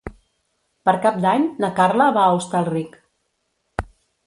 Per Cap d'Any na Carla va a Hostalric.